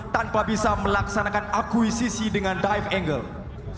tanpa bisa melaksanakan akuisisi dengan dive angle